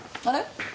あれ？